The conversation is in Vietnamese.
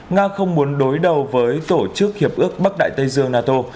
nga không muốn đối đầu với tổ chức hiệp ước bắc đại tây dương nato